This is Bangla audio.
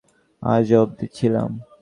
আজ অবধি ছিলাম।